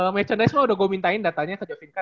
ya mecondesk udah gua minta datanya ke jovinka